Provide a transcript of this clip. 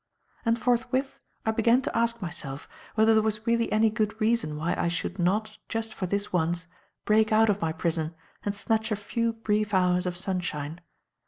And forthwith I began to ask myself whether there was really any good reason why I should not, just for this once, break out of my prison and snatch a few brief hours of sunshine.